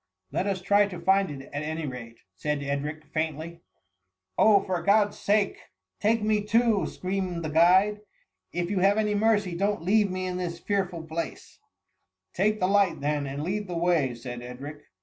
^^^ Let us try to find it, at any rate,^ said Ed ward faintly. " Oh, for God's sake, take me too I'* scream ed the guide. '^ If you have any mevc^, don^t leave me in this fearful place^ ^' Take the light then, and lead the way," said Edric.